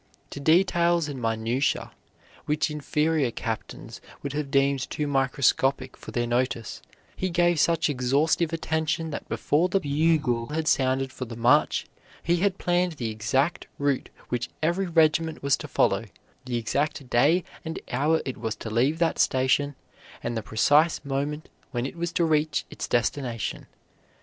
To details and minutiae which inferior captains would have deemed too microscopic for their notice, he gave such exhaustive attention that before the bugle had sounded for the march he had planned the exact route which every regiment was to follow, the exact day and hour it was to leave that station, and the precise moment when it was to reach its destination.